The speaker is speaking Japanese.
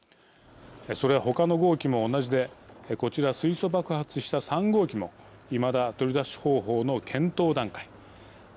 それは他の号機も同じでこちら水素爆発した３号機もいまだ取り出し方法の検討段階。